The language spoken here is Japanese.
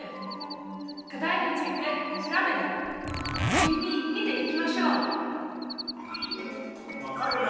順に見ていきましょうわかるな！